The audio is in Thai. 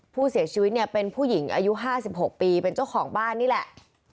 ผู้เสียชีวิตเนี่ยเป็นผู้หญิงอายุ๕๖ปีเป็นเจ้าของบ้านนี่แหละ